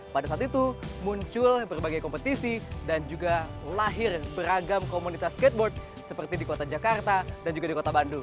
pada saat itu muncul berbagai kompetisi dan juga lahir beragam komunitas skateboard seperti di kota jakarta dan juga di kota bandung